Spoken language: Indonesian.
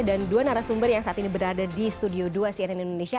dan dua narasumber yang saat ini berada di studio dua cnn indonesia